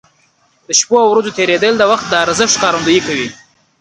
د شپو او ورځو تېرېدل د وخت د ارزښت ښکارندوي کوي.